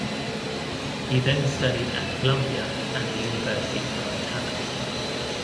He then studied at Columbia and the University of Montana.